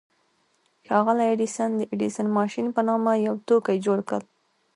ښاغلي ايډېسن د ايډېسن ماشين په نامه يو توکی جوړ کړ.